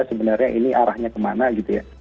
sebenarnya ini arahnya kemana gitu ya